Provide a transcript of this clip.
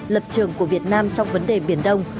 lập trường của việt nam trong vấn đề biển đông